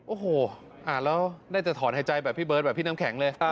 โอ้โหอ่านแล้วได้จะถอนหายใจแบบพี่เบิร์ดแบบพี่น้ำแข็งเลย